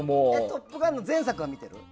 「トップガン」の前作は見てる？